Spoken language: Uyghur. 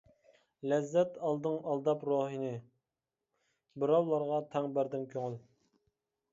لەززەت ئالدىڭ ئالداپ روھىنى، بىراۋلارغا تەڭ بەردىڭ كۆڭۈل.